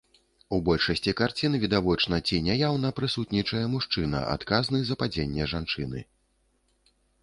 У большасці карцін відавочна ці няяўна прысутнічае мужчына, адказны за падзенне жанчыны.